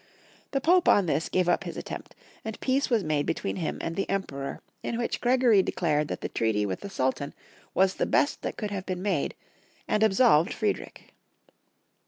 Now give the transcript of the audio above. The Pope on this gave up his attempt, and peace was made between him and the Emperor, in which Gregory declared that the treaty with the Sultan was the best that could have been made, and ab solved Friedrich.